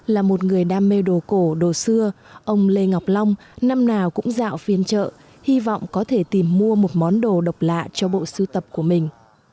là một người đam mê đồ cổ đồ xưa ông lê ngọc long năm nào cũng dạo phiên chợ hy vọng có thể tìm mua một món đồ độc lạ cho bộ sưu tập của mình